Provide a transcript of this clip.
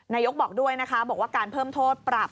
นายกบอกด้วยนะคะบอกว่าการเพิ่มโทษปรับ